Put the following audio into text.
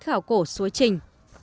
khảo cổ suối trình